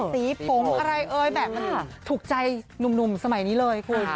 สีผมอะไรเอ่ยแบบมันถูกใจหนุ่มสมัยนี้เลยคุณ